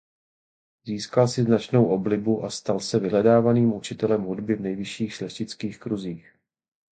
Získal si značnou oblibu a stal se vyhledávaným učitelem hudby v nejvyšších šlechtických kruzích.